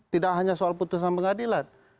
tidak hanya soal putusan pengadilan